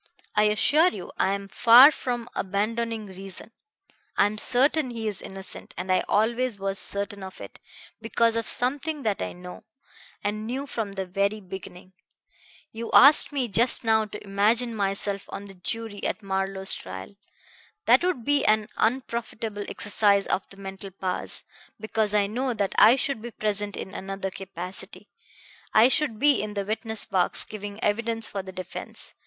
"I assure you I am far from abandoning reason. I am certain he is innocent, and I always was certain of it, because of something that I know, and knew from the very beginning. You asked me just now to imagine myself on the jury at Marlowe's trial. That would be an unprofitable exercise of the mental powers, because I know that I should be present in another capacity. I should be in the witness box, giving evidence for the defense.